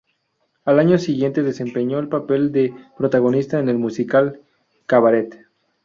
Al año siguiente desempeñó el papel de protagonista en el musical "Cabaret".